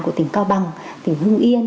của tỉnh cao bằng tỉnh hương yên